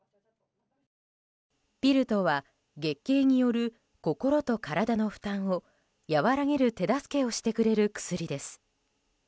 ピルとは月経による心と体の負担を和らげる手助けをしてくれる薬です。